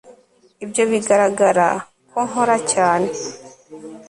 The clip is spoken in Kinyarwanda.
ibyo bigaragara ko nkora cyane